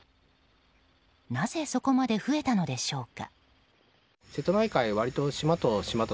なぜ、そこまで増えたのでしょうか。